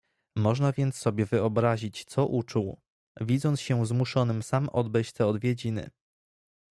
"Można więc sobie wyobrazić co uczuł, widząc się zmuszonym sam odbyć te odwiedziny."